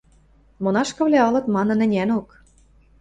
Монашкывлӓ ылыт манын ӹнянок.